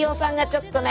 ちょっとね。